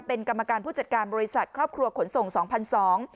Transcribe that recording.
เป็นกรรมการผู้จัดการบริษัทครอบครัวขนส่งสองพันสอง